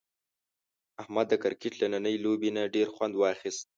احمد د کرکټ له نننۍ لوبې نه ډېر خوند واخیست.